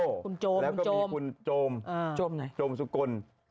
คุณโจมคุณโจมแล้วก็มีคุณโจมโจมไหนโจมสุกล